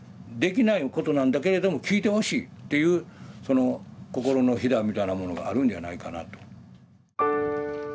できないことなんだけれども聞いてほしいっていう心のひだみたいなものがあるんじゃないかなと。